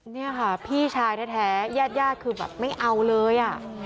นี่ค่ะพี่ชายแท้ญาติคือแบบไม่เอาเลยอ่ะ